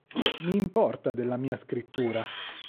Mi importa della mia scrittura.